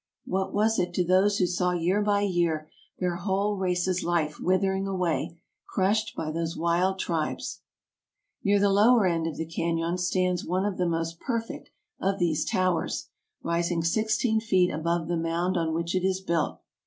What was it to those who saw year by year their whole race's life withering away, crushed by those wild tribes ? Near the lower end of the canon stands one of the most perfect of these towers, rising sixteen feet above the mound on which it is built.